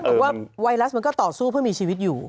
แต่ว่าไวรัสมันก็ต่อสู้เพื่อมีชีวิตอยู่